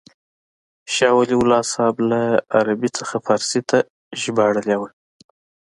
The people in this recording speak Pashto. شاه ولي الله صاحب له عربي څخه فارسي ته ژباړلې وه.